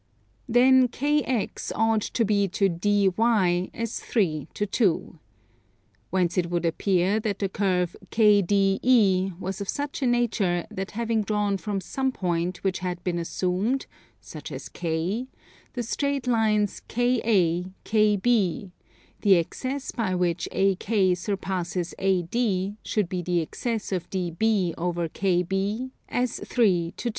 Then KX ought to be to DY as 3 to 2. Whence it would appear that the curve KDE was of such a nature that having drawn from some point which had been assumed, such as K, the straight lines KA, KB, the excess by which AK surpasses AD should be to the excess of DB over KB, as 3 to 2.